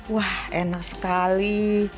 wah enak sekali